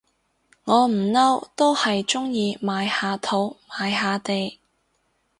我不嬲都係中意買下土買下地